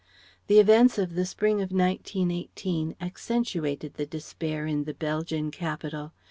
The events of the spring of 1918 accentuated the despair in the Belgian capital.